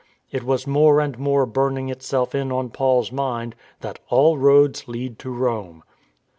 It was more and more burning itself in on Paul's mind that "All roads lead to Rome."